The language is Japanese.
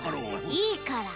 いいから。